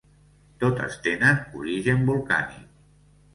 Totes tenen origen volcànic.